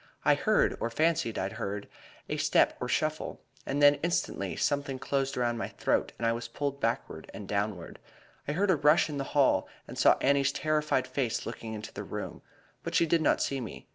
I heard, or fancied I heard, a step or shuffle, and then instantly something closed around my throat and I was pulled backward and downward. I heard a rush in the hall and saw Annie's terrified face looking into the room, but she did not see me.